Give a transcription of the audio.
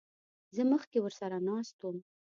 زه مخکې ورسره ناست وم.